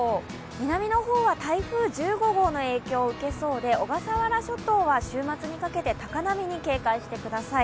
南の方は台風１５号の影響を受けそうで小笠原諸島は週末にかけて高波に警戒してください。